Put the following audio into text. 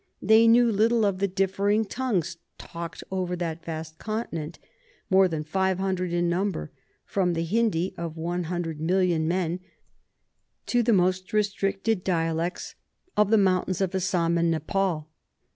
They knew little of the differing tongues talked over that vast continent, more than five hundred in number, from the Hindi of one hundred million men to the most restricted dialects of the mountains of Assam and Nepaul.